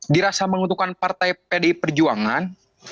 dirasa menguntungkan partai pdi perjuangan